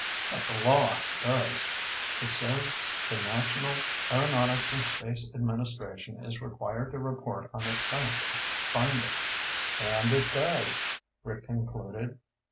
But the law does. It says the National Aeronautics and Space Administration is required to report on its scientific findings." "And it does," Rick concluded.